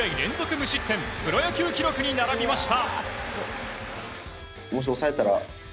無失点プロ野球記録に並びました。